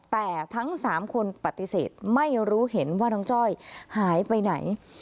แต่ทั้ง๓คนปฏิเสธไม่รู้เห็นว่าน้องจ้อยหายไปไหน